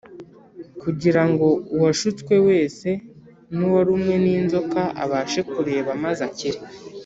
kugira ngo uwashutswe wese n’uwarumwe n’inzoka abashe kureba maze akire